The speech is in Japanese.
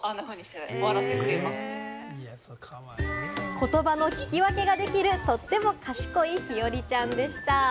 言葉の聞き分けができる、とっても賢い日和ちゃんでした。